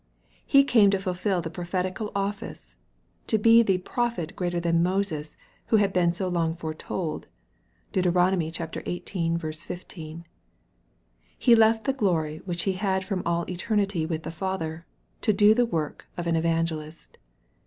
He came to fulfil the prophetical office, to be the " prophet greater than Moses," who had been so long foretold. (Deut. xviii. 15.) He left the glory which He had from all eternity with the Father, to do the work of an evangelist.